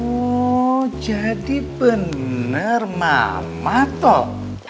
oh jadi bener mama toh